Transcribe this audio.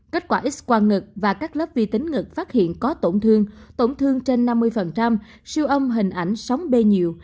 kết quả x quang ngực và các lớp vi tính ngực phát hiện có tổn thương tổn thương trên năm mươi siêu âm hình ảnh sóng b nhiều